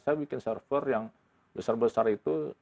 saya bikin server yang besar besar itu